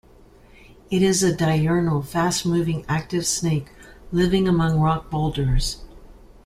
It is a diurnal, fast-moving, active snake, living among rock boulders.